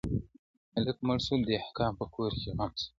هلک مړ سو د دهقان په کور کي غم سو؛